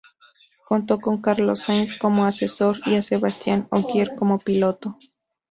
Contó con Carlos Sainz como asesor y a Sebastien Ogier como piloto.